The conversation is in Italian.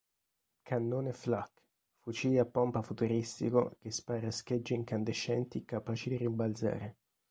Cannone Flak: Fucile a pompa futuristico che spara schegge incandescenti capaci di rimbalzare.